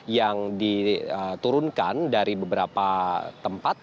yang diturunkan dari beberapa tempat